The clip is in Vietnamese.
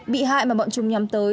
bị hại mà bọn chúng nhắm tới